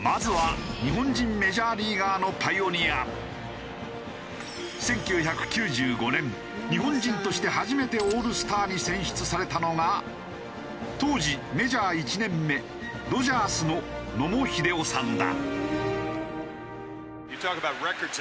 まずは１９９５年日本人として初めてオールスターに選出されたのが当時メジャー１年目ドジャースの野茂英雄さんだ。